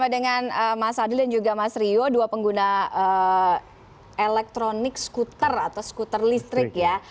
sama dengan mas ardi dan juga mas rio dua pengguna elektronik scooter atau scooter listrik ya